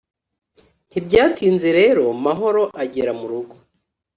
Ntibyatinze rero Mahoro agera mu rugo